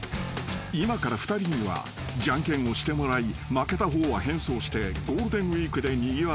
［今から２人にはジャンケンをしてもらい負けた方は変装してゴールデンウイークでにぎわう